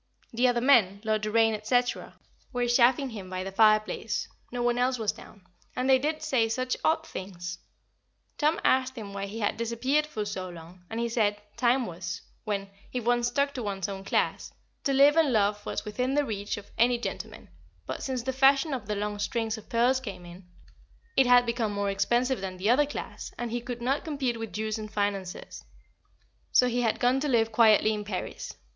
The other men, Lord Doraine, &c., were chaffing him by the fireplace no one else was down and they did say such odd things. Tom asked him why he had disappeared for so long, and he said, Time was, when if one stuck to one's own class to live and love was within the reach of any gentleman, but since the fashion of the long strings of pearls came in, it had become more expensive than the other class, and he could not compete with Jews and financiers, so he had gone to live quietly in Paris.